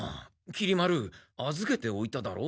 きり丸あずけておいただろ？